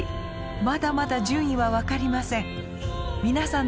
まだまだ順位は分かりません。